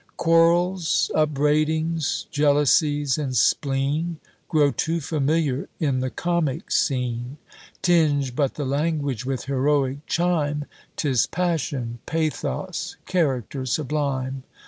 Quarrels, upbraidings, jealousies, and spleen, Grow too familiar in the comic scene; Tinge but the language with heroic chime, 'Tis passion, pathos, character sublime.